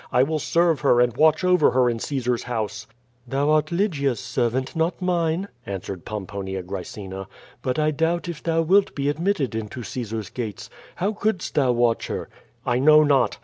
I will serve her and watch over her in Caesar's house/' "Thou art Lygia's servant, not mine,'' answered Pomponia Graecina. "But I doubt if thou wilt be admitted into Caesar's gates. How couldst thou watch her?" "I know not.